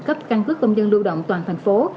cấp căn cước công dân lưu động toàn thành phố